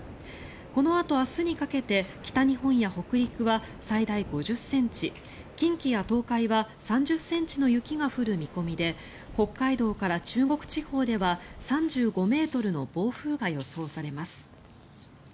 このあと明日にかけて北日本や北陸は最大５０ｃｍ近畿や東海は３０ｃｍの雪が降る見込みで北海道から中国地方では３５ｍの暴風が予想されます。